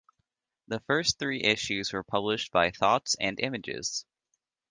The first three issues were published by Thoughts and Images.